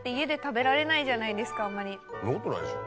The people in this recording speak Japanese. んなことないでしょ。